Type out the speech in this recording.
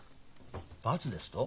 「罰」ですと？